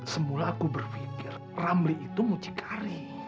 semula aku berpikir ramli itu mucikari